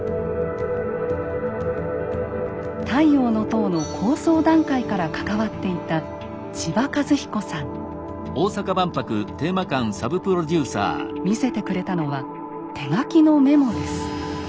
「太陽の塔」の構想段階から関わっていた見せてくれたのは手書きのメモです。